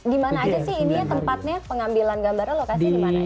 gimana aja sih ini tempatnya pengambilan gambarnya lokasi dimana